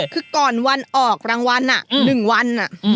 คือก่อนวันออกรางวัล๑วัน